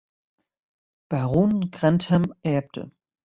Baron Grantham erbte.